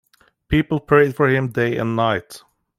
People prayed for him day and night.